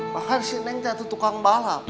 bahkan si neng itu tukang balap